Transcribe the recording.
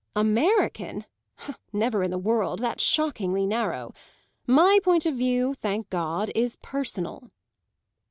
American? Never in the world; that's shockingly narrow. My point of view, thank God, is personal!"